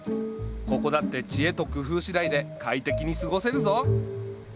ここだって知恵と工夫しだいで快適に過ごせるぞ。